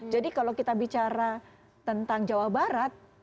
jadi kalau kita bicara tentang jawa barat